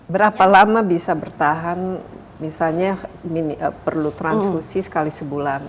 berapa lama bisa bertahan misalnya perlu transfusi sekali sebulan